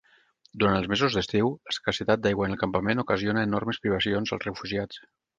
Durant els mesos d'estiu, l'escassetat d'aigua en el campament ocasiona enormes privacions als refugiats.